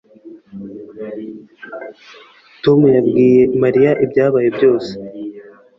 Tom yabwiye Mariya ibyabaye byose